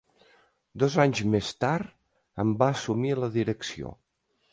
Dos anys més tard en va assumir la direcció.